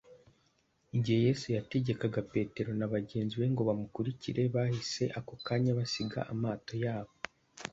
Igihe Yesu yategekaga Petero na bagenzi be ngo bamukurikire bahise ako kanya basiga amato yabo